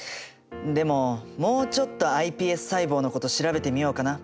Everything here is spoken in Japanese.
でももうちょっとｉＰＳ細胞のこと調べてみようかな。